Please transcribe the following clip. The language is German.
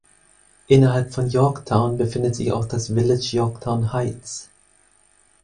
Innerhalb von Yorktown befindet sich auch das Village Yorktown Heights.